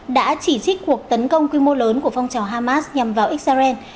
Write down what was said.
đã chỉ trích cuộc tấn công quy mô lớn của phong trào hamas nhằm vào israel